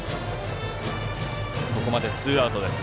ここまでツーアウトです。